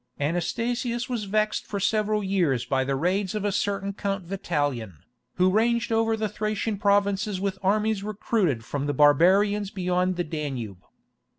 Anastasius was vexed for several years by the raids of a certain Count Vitalian, who ranged over the Thracian provinces with armies recruited from the barbarians beyond the Danube.